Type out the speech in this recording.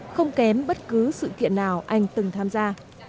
không kém bất cứ sự kiện nào anh từng tham gia